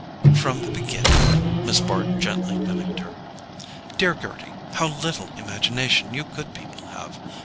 "From the beginning?" Miss Bart gently mimicked her. "Dear Gerty, how little imagination you good people have!